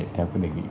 theo cái đề nghị